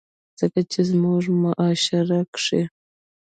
ځکه چې زمونږ معاشره کښې